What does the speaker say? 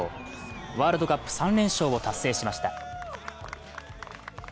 ワールドカップ３連勝を達成しました。